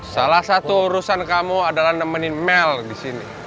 salah satu urusan kamu adalah nemenin mel di sini